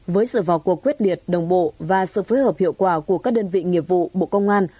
với sự vào cuộc quyết liệt đồng bộ và sự phối hợp hiệu quả của các đơn vị nghiệp vụ bộ công an